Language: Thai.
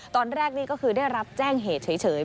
ตอนแรกนี่ก็คือได้รับแจ้งเหตุเฉย